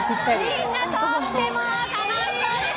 みんなとっても楽しそうです。